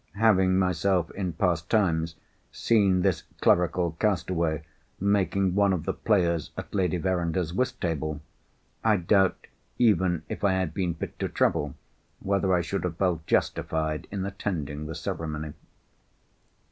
Having myself in past times seen this clerical castaway making one of the players at Lady Verinder's whist table, I doubt, even if I had been fit to travel, whether I should have felt justified in attending the ceremony.